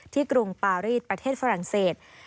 กรุงปารีสประเทศฝรั่งเศส